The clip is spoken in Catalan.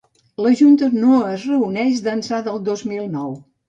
La junta no es reuneix d’ençà del dos mil nou.